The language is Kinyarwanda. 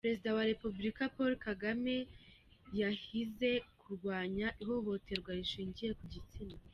Perezida wa repubulika Paul Kagame yahize kurwanya ihohoterwa rishingiye ku gitsina.